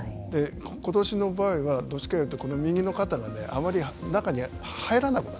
ことしの場合はどっちかというとこの右の肩があまり中に入らなくなったの。